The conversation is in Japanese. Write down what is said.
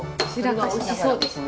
合いそうですね。